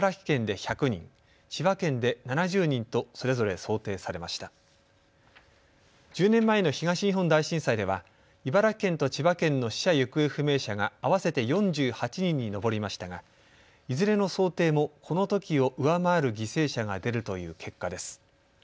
１０年前の東日本大震災では茨城県と千葉県の死者・行方不明者が合わせて４８人に上りましたがいずれの想定もこのときを上回る犠牲者が出るという結果です。